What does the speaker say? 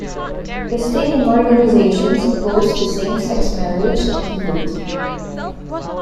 The state and organizations opposed to same-sex marriage appealed.